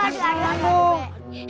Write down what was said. aduh aduh aduh